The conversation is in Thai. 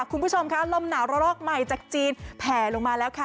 คุณผู้ชมค่ะลมหนาวระลอกใหม่จากจีนแผลลงมาแล้วค่ะ